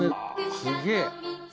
すげえ。